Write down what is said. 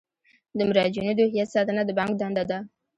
د مراجعینو د هویت ساتنه د بانک دنده ده.